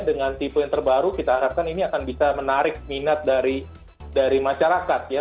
dengan tipe yang terbaru kita harapkan ini akan bisa menarik minat dari masyarakat ya